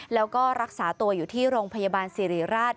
แล้วก็รักษาตัวอยู่ที่โรงพยาบาลสิริราช